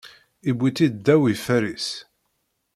Iwwi-tt-id ddaw ifer-is.